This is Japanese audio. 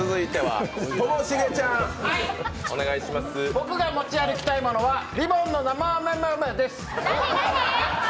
僕が持ち歩きたいものはリボンの生飴飴です！